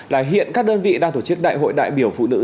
là hiện các đơn vị đang tổ chức đại hội đại biểu phụ nữ